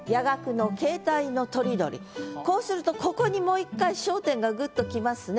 こうするとここにもう１回焦点がぐっと来ますね。